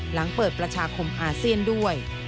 หลังเปิดประชาคมอาเซียนด้วย